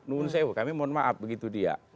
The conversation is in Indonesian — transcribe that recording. nuhun sewa kami mohon maaf begitu dia